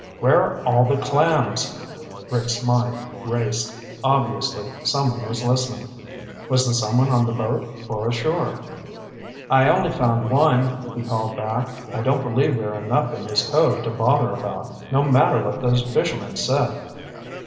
"Where are all the clams?" Rick's mind raced. Obviously someone was listening. Was the someone on the boat, or ashore? "I only found one," he called back. "I don't believe there are enough in this cove to bother about, no matter what those fishermen said."